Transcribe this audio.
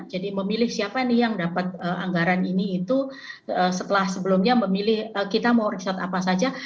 jadi memilih siapa nih yang dapat anggaran ini itu setelah sebelumnya memilih kita mau riset apa saja